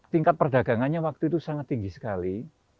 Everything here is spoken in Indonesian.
tingkat perdagangannya waktu itu sangat tinggi sekali